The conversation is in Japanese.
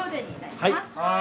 はい。